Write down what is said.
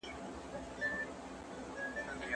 خپلي ذمې او وعدې پوره کړئ.